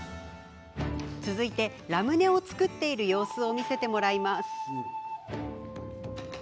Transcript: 続いてラムネを作っている様子を見せてもらいます。